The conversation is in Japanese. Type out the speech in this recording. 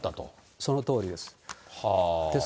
そのとおりです。